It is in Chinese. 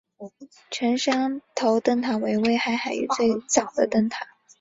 成山头灯塔为威海海域最早的灯塔。